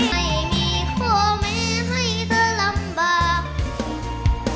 ไม่มีความแม้ให้เธอลำบาก